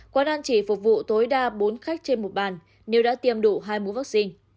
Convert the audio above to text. quán ăn chỉ phục vụ tối đa bốn khách trên một bàn nếu đã tiêm đủ hai mũ vaccine